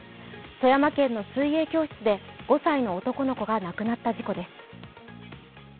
富山県の水泳教室で５歳の男の子が亡くなった事故です。